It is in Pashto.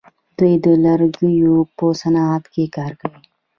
دوی د لرګیو په صنعت کې کار کوي.